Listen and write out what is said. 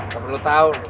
gak perlu tau